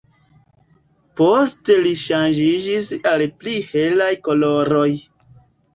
Poste li ŝanĝiĝis al pli helaj koloroj.